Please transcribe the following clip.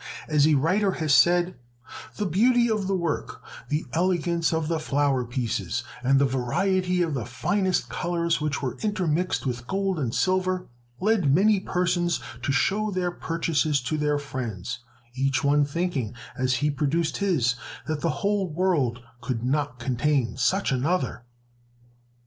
As a writer has said, "The beauty of the work, the elegance of the flower pieces, and the variety of the finest colors which were intermixed with gold and silver, led many persons to show their purchases to their friends, each one thinking, as he produced his, that the whole world could not contain such another."